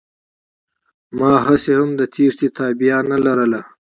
ما هسې هم د تېښتې تابيا نه لرله.